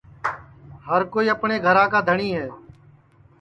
ہر کوئی اپٹؔے گھرا کا دھٹؔی ہے